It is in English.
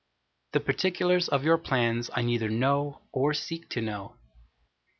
The particulars of your plans I neither know, or seek to know.